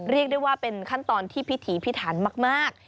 เรียกได้ว่าเป็นขั้นตอนที่พิถีพิถันมาก